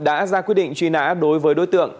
đã ra quyết định truy nã đối với đối tượng